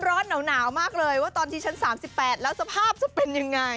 ร้อนหนาวมากเลยว่าตอนที่ชั้น๓๘แล้วสภาพจะเป็นยังไง